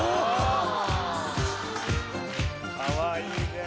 かわいいね。